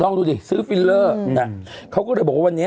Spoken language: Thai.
ลองดูดิซื้อฟิลเลอร์เขาก็จะบอกว่าวันนี้